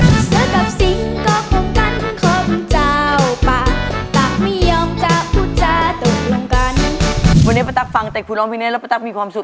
วันนี้ป้าตั๊กฟังเต็กผู้ร้องเพลงนี้แล้วป้าตั๊กมีความสุข